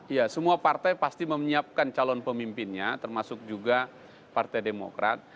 ya semua partai pasti menyiapkan calon pemimpinnya termasuk juga partai demokrat